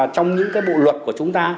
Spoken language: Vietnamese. trong những cái bộ luật của chúng ta